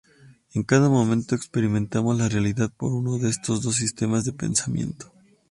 En cada momento experimentamos la realidad por uno de estos dos sistemas de pensamiento.